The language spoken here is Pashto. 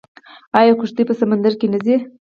آیا کښتۍ په سمندر کې نه ځي؟